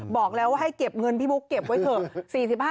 บอกแล้วว่าให้เก็บเงินพี่บุ๊กเก็บไว้เถอะ